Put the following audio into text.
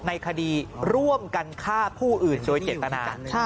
ในคดีร่วมกันฆ่าผู้อื่นโดยเจตนา